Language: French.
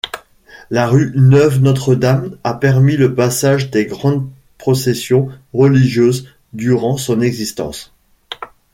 La rue Neuve-Notre-Dame a permis le passage des grandes processions religieuses durant son existence.